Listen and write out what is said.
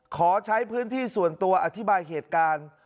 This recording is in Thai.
ขอใช้พื้นที่ส่วนตัวอธิบายเหตุการณ์